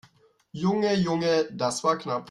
Junge, Junge, das war knapp!